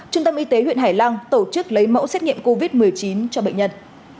trung tâm y tế huyện hải lăng tổ chức lấy mẫu xét nghiệm covid một mươi chín cho bệnh nhân